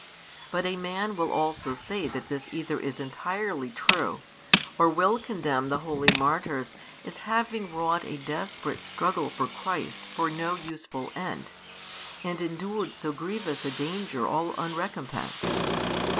But a man will also say that this either is entirely true, or will condemn the Holy Martyrs as having wrought a desperate struggle for Christ for no useful end, and endured so grievous a danger all unrecompensed.